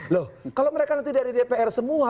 loh kalau mereka nanti dari dpr semua